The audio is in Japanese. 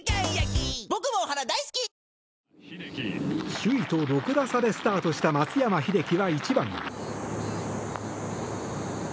首位と６打差でスタートした松山英樹は１番。